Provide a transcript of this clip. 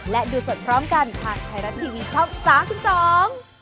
และดูสดพร้อมกันทางไทยรัฐทีวีช่อง๓๒